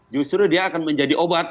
justru dia akan menjadi obat